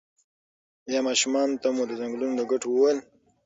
ایا ماشومانو ته مو د ځنګلونو د ګټو وویل؟